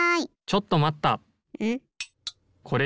・ちょっとまった！